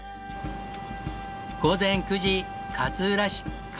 午前９時勝浦市川津